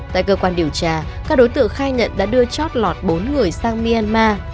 tại cơ quan điều tra các đối tượng khai nhận đã đưa chót lọt bốn người sang myanmar